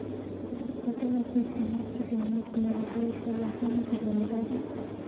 پدغه حکومت کې د نیکمرغۍ پله هم درنده ده.